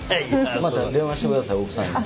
また電話してください奥さんに。